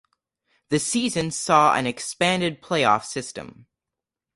The season saw an expanded playoff system.